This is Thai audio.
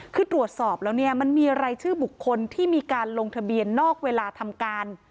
คือตรวจสอบแล้วเนี่ยมันมีรายชื่อบุคคลที่มีการลงทะเบียนนอกเวลาทำการ